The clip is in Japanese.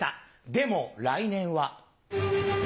でも来年は。